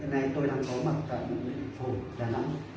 hôm nay tôi đang có mặt tại bệnh viện thổi đà nẵng